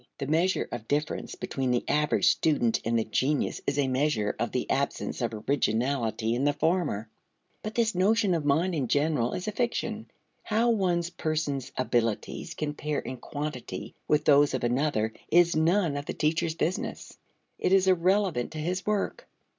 The measure of difference between the average student and the genius is a measure of the absence of originality in the former. But this notion of mind in general is a fiction. How one person's abilities compare in quantity with those of another is none of the teacher's business. It is irrelevant to his work.